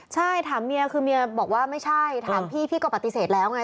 ใช่ถามเมียคือเมียบอกว่าไม่ใช่ถามพี่พี่ก็ปฏิเสธแล้วไง